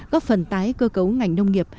góp phần tái cơ cấu ngành nông nghiệp